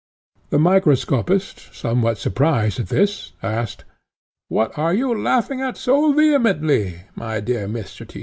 The microscopist, somewhat surprised at this, asked, "What are you laughing at so vehemently, my dear Mr. Tyss?"